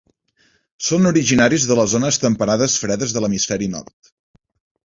Són originaris de les zones temperades fredes de l'hemisferi nord.